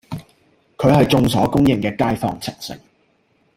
佢係眾所公認嘅街坊情聖